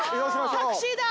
タクシーだ。